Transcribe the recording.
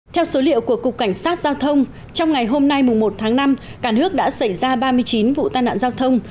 theo số liệu của cục cảnh sát giao thông trong ngày hôm nay một tháng năm cả nước đã xảy ra ba mươi chín vụ tai nạn giao thông